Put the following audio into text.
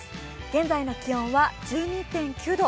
現在の気温は１２．９度。